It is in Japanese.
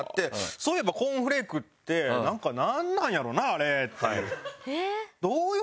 「そういえばコーンフレークってなんかなんなんやろな？あれ」っていう。